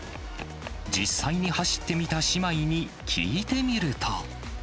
実際に走ってみた姉妹に聞いてみると。